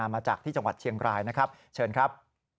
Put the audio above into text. มาจากที่จังหวัดเชียงรายนะครับเชิญครับ